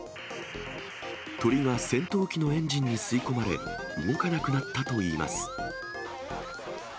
鳥が戦闘機のエンジンに吸い込まれ、動かなくなったといいます。